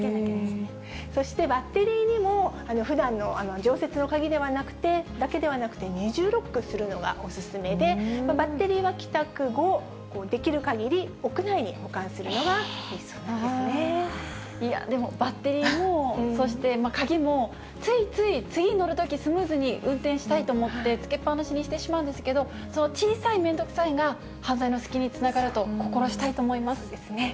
そしてバッテリーにも、ふだんの常設の鍵だけではなくて、二重ロックするのがお勧めで、バッテリーは帰宅後、できるかぎり屋内に保管するのがいいそうなでも、バッテリーも、そして鍵も、ついつい次に乗るときスムーズに運転したいと思って、つけっぱなしにしてしまうんですけど、その小さい面倒くさいが犯罪の隙につながると、心したいと思いまそうですね。